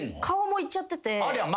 顔もいっちゃってて。